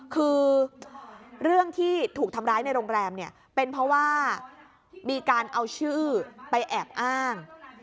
คือเรื่องที่ถูกทำร้ายในโรงแรมเนี่ยเป็นเพราะว่ามีการเอาชื่อไปแอบอ้าง